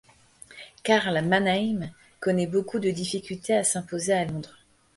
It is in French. Karl Mannheim connaît beaucoup de difficultés à s'imposer à Londres.